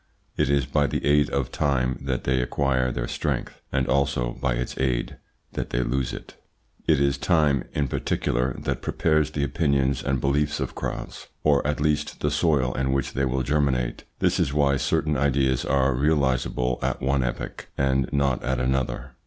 It is by the aid of time that they acquire their strength and also by its aid that they lose it. It is time in particular that prepares the opinions and beliefs of crowds, or at least the soil on which they will germinate. This is why certain ideas are realisable at one epoch and not at another.